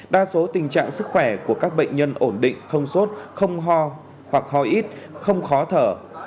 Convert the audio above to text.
đa số tình trạng sức khỏe của các bệnh nhân ổn định không sốt không ho hoặc ho ít không khó thở